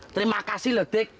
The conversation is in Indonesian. terima kasih loh dik